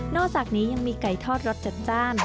อกจากนี้ยังมีไก่ทอดรสจัดจ้าน